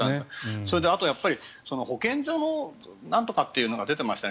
それで、あとは保健所のなんとかってのが出ていましたね